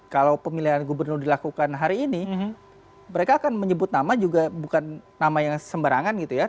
kalau pemilihan gubernur dilakukan hari ini mereka akan menyebut nama juga bukan nama yang sembarangan gitu ya